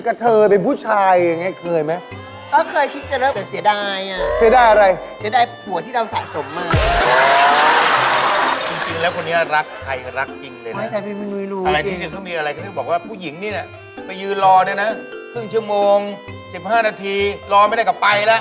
ก็เหมือนกับที่ผู้หญิงนี่ล่ะไปยืนรอด้วยนะครึ่งเชื้อโมง๑๕นาทีรอไม่ได้กลับไปล่ะ